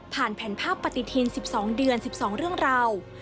ผ่านแผ่นภาพปฏิทิน๑๒เดือน๑๒เรื่องราว